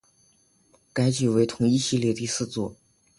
该剧为同一系列第四作。